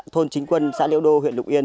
thôn chính quân xã liêu đô huyện lục yên